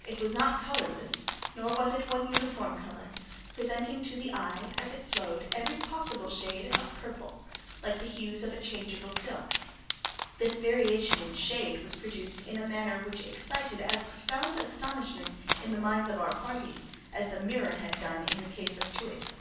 It was not colourless, nor was it of any one uniform colour—presenting to the eye, as it flowed, every possible shade of purple; like the hues of a changeable silk. This variation in shade was produced in a manner which excited as profound astonishment in the minds of our party as the mirror had done in the case of Too wit.